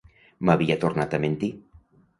M'havia tornat a mentir.